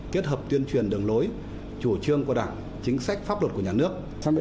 kết hợp tuyên truyền đường lối chủ trương của đảng chính sách pháp luật của nhà nước